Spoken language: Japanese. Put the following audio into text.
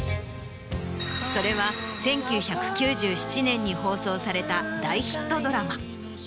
それは１９９７年に放送された大ヒットドラマ。